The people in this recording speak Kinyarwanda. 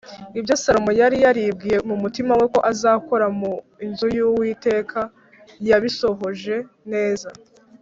“ibyo salomo yari yaribwiye mu mutima we ko azakora mu nzu y’uwiteka, yabisohoje neza.”